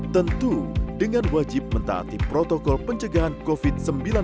tentu dengan wajib mentaati protokol pencegahan covid sembilan belas